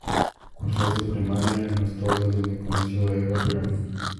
Cursó su primaria en Los Toldos, donde conoció a Eva Perón.